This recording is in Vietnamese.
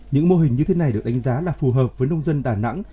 những mô hình như thế này được đánh giá là phù hợp với nông dân đà nẵng